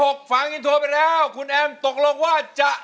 หลังจากนี้เธอเล่นให้ตัดสินใจของคุณแอมค่ะว่า